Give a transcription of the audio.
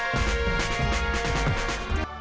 สวัสดีครับ